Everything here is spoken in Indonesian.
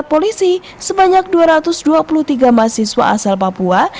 polisi sebanyak dua ratus dua puluh tiga mahasiswa asal papua